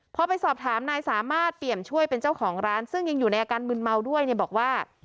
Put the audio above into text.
พอไปสอบถามนายสามารถเปี่ยมช่วยเป็นเจ้าของร้านซึ่งยังอยู่ในอาการมืนเมาด้วยเนี่ยบอกว่า